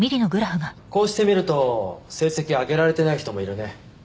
こうして見ると成績挙げられてない人もいるね